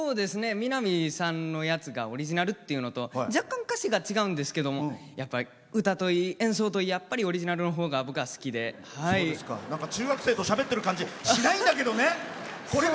南さんのやつがオリジナルっていうのと若干、歌詞が違うんですけど歌といい演奏といい、オリジナルのほうが中学生としゃべってる感じしないんだけどね。